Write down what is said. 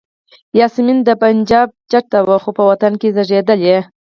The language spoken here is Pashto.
یاسمین د پنجاب جټه وه خو په وطن کې زیږېدلې.